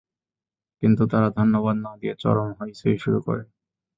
কিন্তু তারা ধন্যবাদ না দিয়ে চরম হৈ চৈ শুরু করে।